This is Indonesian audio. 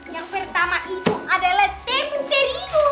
yang pertama itu adalah temen terigu